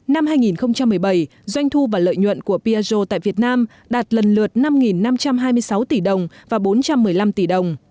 năm hai nghìn một mươi bảy doanh thu và lợi nhuận của piaggio tại việt nam đạt lần lượt năm năm trăm hai mươi sáu tỷ đồng và bốn trăm một mươi năm tỷ đồng